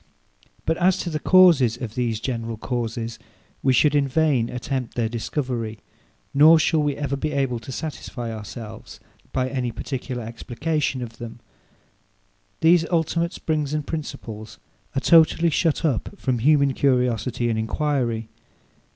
But as to the causes of these general causes, we should in vain attempt their discovery; nor shall we ever be able to satisfy ourselves, by any particular explication of them. These ultimate springs and principles are totally shut up from human curiosity and enquiry.